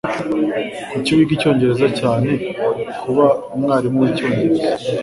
Kuki wiga icyongereza cyane?" "Kuba umwarimu w'icyongereza."